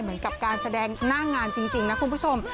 เหมือนกับการแสดงหน้างานจริงนะคุณผู้ชม